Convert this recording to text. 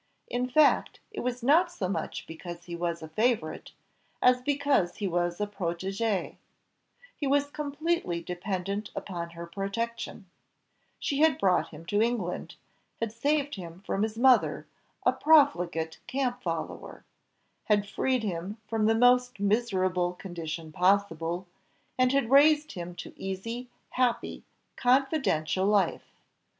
In fact, it was not so much because he was a favourite, as because he was a protegé; he was completely dependent upon her protection: she had brought him to England, had saved him from his mother, a profligate camp follower, had freed him from the most miserable condition possible, and had raised him to easy, happy, confidential life.